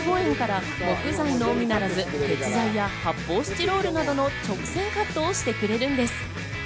１回５５円から木材のみならず、鉄材や発泡スチロールなどの直線カットをしてくれるんです。